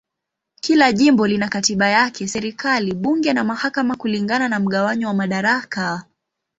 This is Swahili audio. Kila jimbo lina katiba yake, serikali, bunge na mahakama kulingana na mgawanyo wa madaraka.